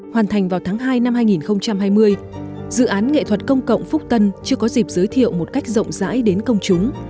hoàn thành vào tháng hai năm hai nghìn hai mươi dự án nghệ thuật công cộng phúc tân chưa có dịp giới thiệu một cách rộng rãi đến công chúng